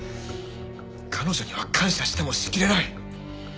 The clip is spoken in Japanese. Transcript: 彼女には感謝してもしきれない。